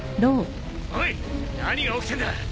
おい何が起きてんだ！？